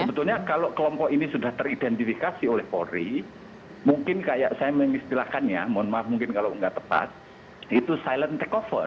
nah sebetulnya kalau kelompok ini sudah teridentifikasi oleh polri mungkin kayak saya mengistilahkannya mohon maaf mungkin kalau nggak tepat itu silent takeover